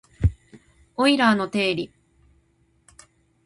オイラーの定理